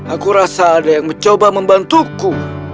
aku rasa ada yang mencoba membantuku